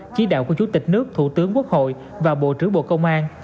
chỉ đạo của chủ tịch nước thủ tướng quốc hội và bộ trưởng bộ công an